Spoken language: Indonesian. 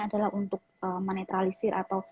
adalah untuk menetralisir atau